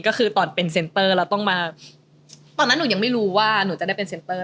ก็คือตอนเป็นเซ็นเตอร์แล้วต้องมาตอนนั้นหนูยังไม่รู้ว่าหนูจะได้เป็นเซ็นเตอร์